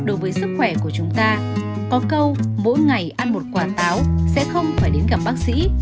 đối với sức khỏe của chúng ta có câu mỗi ngày ăn một quả táo sẽ không phải đến gặp bác sĩ